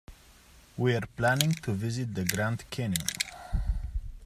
We are planning to visit the Grand Canyon.